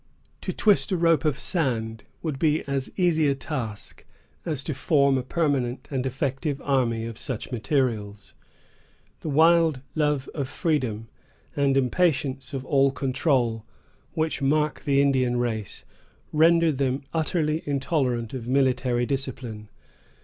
To twist a rope of sand would be as easy a task as to form a permanent and effective army of such materials. The wild love of freedom, and impatience of all control, which mark the Indian race, render them utterly intolerant of military discipline.